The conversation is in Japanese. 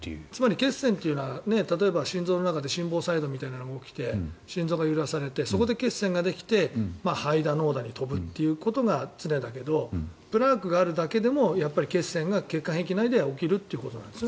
血栓というのは血液の中で心房細動みたいなのが起きて心臓が揺らされてそこで血栓ができて肺だ、脳だに飛ぶということが常だけどプラークがあるだけでも血栓が血管壁内で起きるということなんですね。